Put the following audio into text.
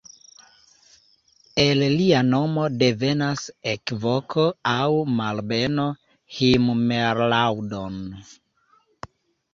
El lia nomo devenas ekvoko aŭ malbeno "himmellaudon!